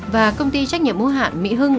và công ty trách nhiệm mưu hạn mỹ hưng